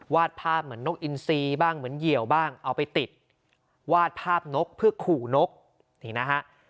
ภาพเหมือนนกอินซีบ้างเหมือนเหยียวบ้างเอาไปติดวาดภาพนกเพื่อขู่นกนี่นะฮะ